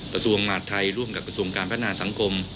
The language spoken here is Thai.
กระทรวงมหาดไทยร่วมกับกระทรวงการพัฒนาสังคม